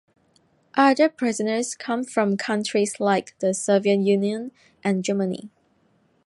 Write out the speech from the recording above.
Other prisoners came from countries like the Soviet Union and Germany.